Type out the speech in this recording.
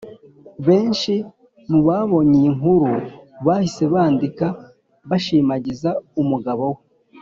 benshi mu babonye iyi nkuru bahise bandika bashimagiza umugabo we